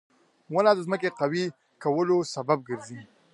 • ونه د ځمکې قوي کولو سبب ګرځي.